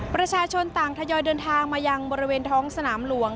ประชาชนต่างทยอยเดินทางมายังบริเวณท้องสนามหลวง